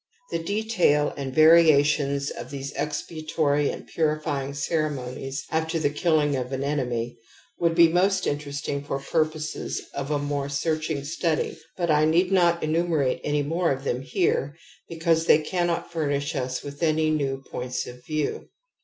The detail and variations of these expiatory and purifying ceremonies after the kiUing of an enemy would be most interesting for purposes of a more searching study, but I need not enumerate any more of them here because they cannot fur nish us with any new points of view.